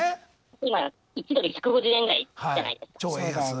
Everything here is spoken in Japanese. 今１ドル１５０円ぐらいじゃないですか。